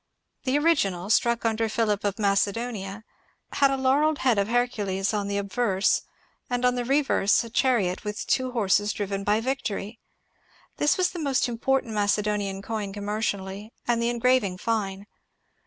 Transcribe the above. The original, struck under Philip of Macedon, had a laurelled head of Her* VOL. n 838 MONCURE DANIEL CX)NWAY cules on the obverse, and on the reverse a chariot with two horses driven by Victory. This was the most important Mace donian coin commercially, and the engraving fine.